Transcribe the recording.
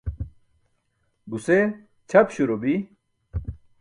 Guse ćʰap śuro bi.